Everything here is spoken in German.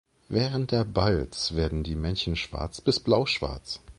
Während der Balz werden die Männchen schwarz bis blauschwarz.